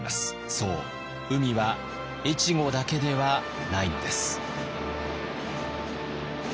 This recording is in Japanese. そう海は越後だけではないのです。